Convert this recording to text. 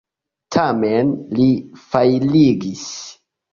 Tamen, li fajrigis.